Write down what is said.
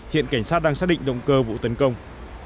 hiện cảnh sát đang xác định động cơ vụ tấn công